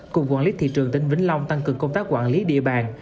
cục quản lý thị trường tỉnh vĩnh long tăng cường công tác quản lý địa bàn